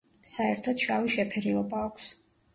საერთოდ შავი შეფერილობა აქვს.